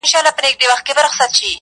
نو زنده گي څه كوي.